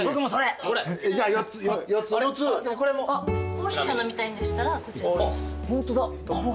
コーヒーが飲みたいんでしたらこちらおすすめ。